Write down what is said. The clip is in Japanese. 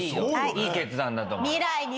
いい決断だと思う。